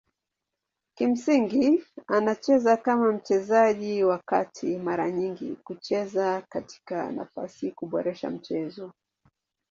Kimsingi anacheza kama mchezaji wa kati mara nyingi kucheza katika nafasi kuboresha mchezo.